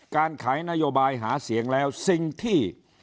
การขายนโยบายหาเสียงแล้วสิ่งที่